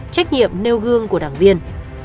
trách nhiệm nêu gương của đảng viên